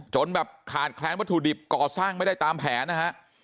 จนแบบขาดแคลนวัตถุดิบก่อสร้างไม่ได้ตามแผนนะฮะ